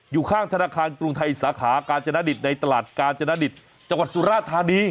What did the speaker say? อยู่ข้างธนาคารกรุงไทยสาขากาญจนดิตในตลาดกาญจนดิตจังหวัดสุราธานี